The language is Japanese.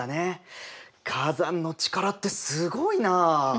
火山の力ってすごいなあ。